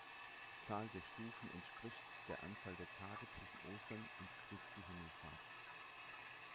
Die Zahl der Stufen entspricht der Anzahl der Tage zwischen Ostern und Christi Himmelfahrt.